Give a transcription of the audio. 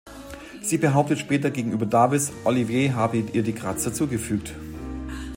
Sie behauptet später gegenüber Davis, Olivier habe ihr die Kratzer zugefügt.